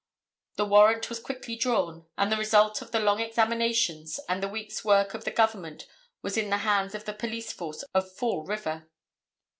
The warrant was quickly drawn, and the result of the long examinations and the week's work of the Government was in the hands of the police force of Fall River.